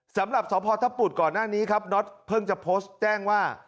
สำหรับสพทบุตรก่อนหน้านี้ครับน็อตเพิ่งจะโพสต์แจ้งว่า